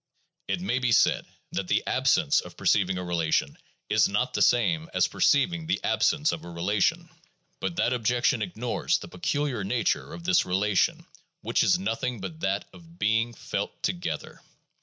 It may be said that the absence of perceiving a relation is not the same as perceiving the absence of a relation. But that objection ignores the peculiar nature of this relation, which is nothing but that of being felt together.